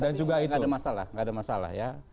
tapi nggak ada masalah nggak ada masalah ya